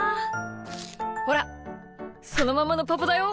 ほらそのままのパパだよ。